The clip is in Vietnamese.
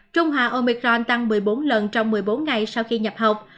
trung hà omicron tăng một mươi bốn lần trong một mươi bốn ngày sau khi nhập học